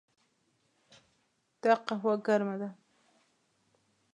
دا قهوه ګرمه ده.